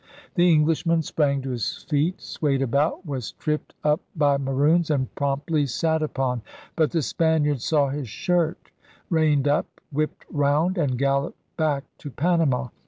The Englishman sprang to his feet, swayed about, was tripped up 112 ELIZABETHAN SEA DOGS by Maroons and promptly sat upon. But the Spaniard saw his shirt, reined up, whipped round, and galloped back to Panama.